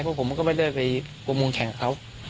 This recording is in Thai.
เพราะผมก็ไม่ได้ไปประมงแข่งกับเขา